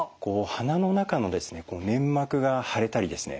鼻の中の粘膜が腫れたりですね